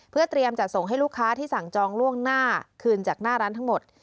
เพื่อเตรียมจัดส่งให้ลูกค้าที่สั่งจองล่วงหน้าคืนจากหน้าร้านทั้งหมด